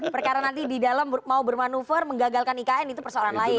perkara nanti di dalam mau bermanuver menggagalkan ikn itu persoalan lain